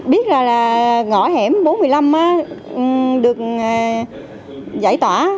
biết là ngõ hẻm bốn mươi năm được giải tỏa